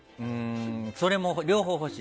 それも、両方欲しい。